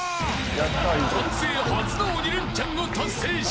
［男性初の鬼レンチャンを達成し］